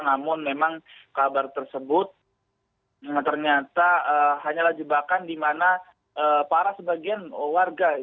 namun memang kabar tersebut ternyata hanyalah jebakan di mana para sebagian warga